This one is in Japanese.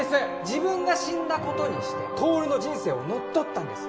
自分が死んだ事にして透の人生を乗っ取ったんです。